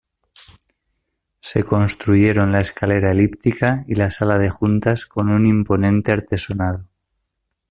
Se construyeron la escalera elíptica y la sala de juntas con un imponente artesonado.